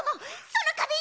そのかびん